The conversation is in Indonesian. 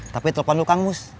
tapi telepon lukang mus